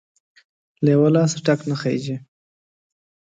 له يوه لاسه ټک نه خيږى.